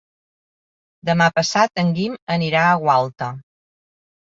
Demà passat en Guim anirà a Gualta.